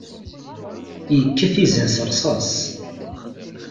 Ikkat izan s rrṣas.